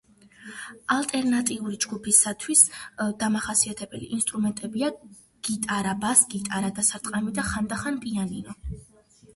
ალტერნატიული ჯგუფისთვის დამახასიათებელი ინსტრუმენტებია გიტარა ბას-გიტარა დასარტყამი და ხანდახან პიანინო.